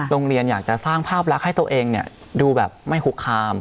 โรงเรียนอยากจะสร้างภาพลักษณ์ให้ตัวเองดูแบบไม่คุกคาม